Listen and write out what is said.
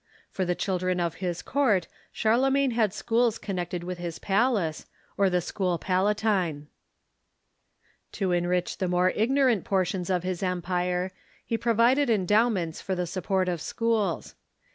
For the children of his court, Charlemagne had schools connected with his palace, or the School Palatine. To enrich the more ignorant portions of his empire, he provided endowments for the support of schools.